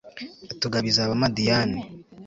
atugabiza abamadiyani